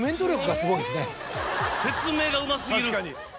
説明がうま過ぎる。